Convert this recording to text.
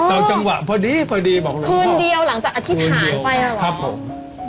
เอาจังหวะพอดีบอกเลยว่าคืนเดียวหลังจากอธิษฐานไปหรอ